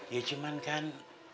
ya cuman kan